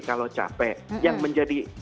kalau capek yang menjadi